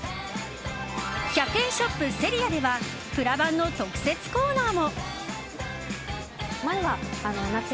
１００円ショップ、セリアではプラバンの特設コーナーも。